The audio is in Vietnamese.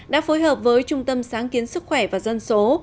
đã phối hợp với trung tâm sáng kiến sức khỏe và dân số